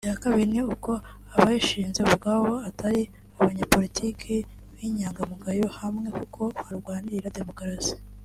Icya kabiri ni uko abayashinze ubwabo atari abanyapolitiki binyangamugayo bahamye koko barwanira demokarasi